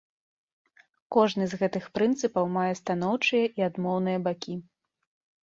Кожны з гэтых прынцыпаў мае станоўчыя і адмоўныя бакі.